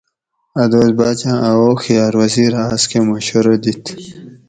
ا دوس باچاں ا ہوخیار وزیرہ آس کہ مشورہ دیت